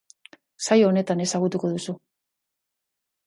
Saio honetan ezagutuko duzu.